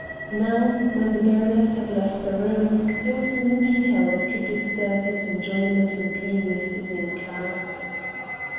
Now, when the baroness had left the room, there was no detail that could disturb his enjoyment in being with Zinka.